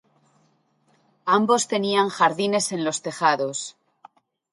Ambos tenían jardines en los tejados.